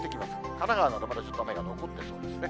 神奈川など、まだ雨が残ってそうですね。